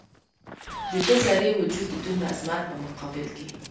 د ده ذرې وجود د دومره عظمت په مقابل کې.